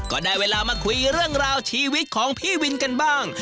ก็ได้เวลามาคุยเรื่องราวชีวิตของพี่วินกันบ้าง